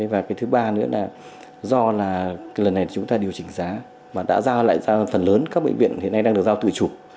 và cái thứ ba nữa là do là cái lần này chúng ta điều chỉnh giá mà đã giao lại ra phần lớn các bệnh viện hiện nay đang được giao tụi trục